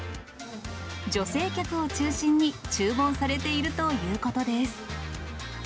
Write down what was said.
女性客を中心に注文されているということです。